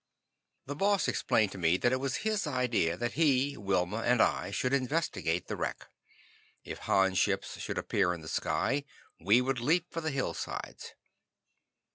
The Boss explained to me that it was his idea that he, Wilma and I should investigate the wreck. If Han ships should appear in the sky, we would leap for the hillsides.